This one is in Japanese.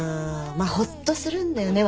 まあほっとするんだよね。